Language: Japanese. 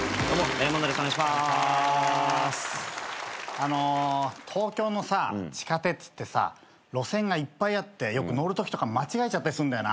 あの東京のさ地下鉄ってさ路線がいっぱいあってよく乗るときとか間違えちゃったりするんだよな。